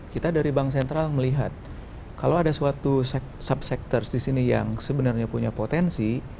kita dari bank sentral melihat kalau ada suatu subsectors di sini yang sebenarnya punya potensi